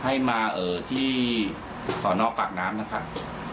ให้มาที่สอนอปากน้ำนะครับ